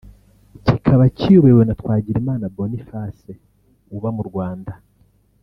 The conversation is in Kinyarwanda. kikaba kiyobowe na Twagirimana Boniface uba mu Rwanda